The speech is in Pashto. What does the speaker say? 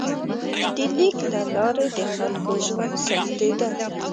د لیک له لارې د خلکو ژوند ثبتېده.